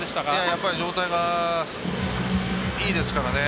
やっぱり状態がいいですから。